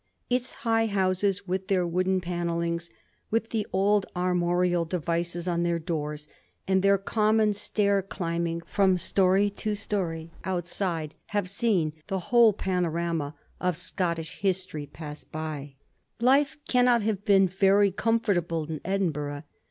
Its high houses, with their wooden panellings, with the old armorial devices on their doors, and their common stair climb ing from storey to storey outside, have seen the whole panorama of Scottish history pass by. Digiti zed by Google 1714 LIFE m EDINBURGH. 113 Life cannot have been very comfortable in Edin burgh.